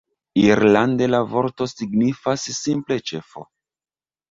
Irlande la vorto signifas simple "ĉefo".